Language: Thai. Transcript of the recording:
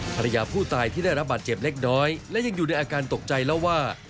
ภรรยาผู้ตายที่ได้รับบาดเจ็บเล็กน้อยและยังอยู่ในอาการตกใจเล่าว่า